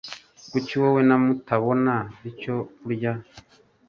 Kuki wowe na mutabona icyo kurya?